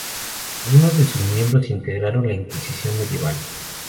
Algunos de sus miembros integraron la Inquisición medieval.